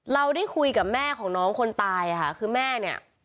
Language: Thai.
เราได้คุยกับแม่ของน้องคนตายค่ะคือแม่เนี่ย